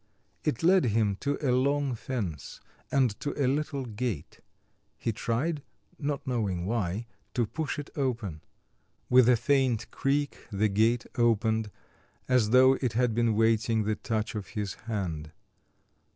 It led him up to a long fence, and to a little gate; he tried, not knowing why, to push it open. With a faint creak the gate opened, as though it had been waiting the touch of his hand.